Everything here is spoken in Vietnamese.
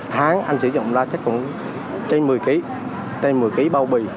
tháng anh sử dụng ra chắc cũng trên một mươi kg trên một mươi kg bao bì